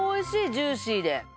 ジューシーで。